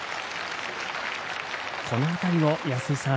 この辺りも安井さん